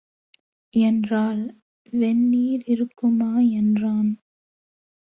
என்றாள். "வெந்நீர் இருக்குமா" என்றான்.